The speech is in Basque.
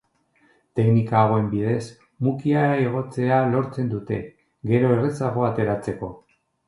Teknika hauen bidez mukia igotzea lortzen dute, gero errazago ateratzeko.